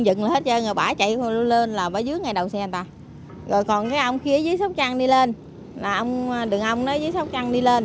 đáng nói hơn cả hai vụ xảy ra cách nhau không xa